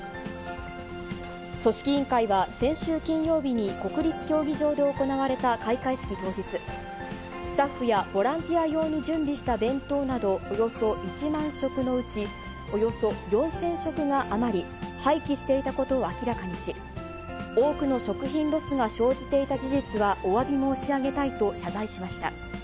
組織委員会は、先週金曜日に国立競技場で行われた開会式当日、スタッフやボランティア用に準備した弁当などおよそ１万食のうち、およそ４０００食が余り、廃棄していたことを明らかにし、多くの食品ロスが生じていた事実は、おわび申し上げたいと謝罪しました。